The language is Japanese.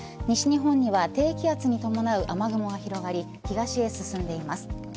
西日本には低気圧に伴う雨雲が広がり東へ進んでいます。